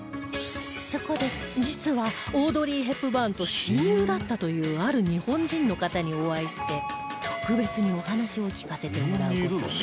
そこで実はオードリー・ヘプバーンと親友だったというある日本人の方にお会いして特別にお話を聞かせてもらう事に